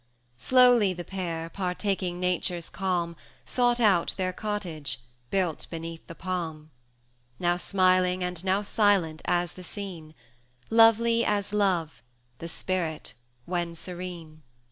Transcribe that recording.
Slowly the pair, partaking Nature's calm, Sought out their cottage, built beneath the palm; Now smiling and now silent, as the scene; Lovely as Love the Spirit! when serene.